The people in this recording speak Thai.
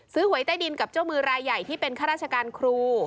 หวยใต้ดินกับเจ้ามือรายใหญ่ที่เป็นข้าราชการครู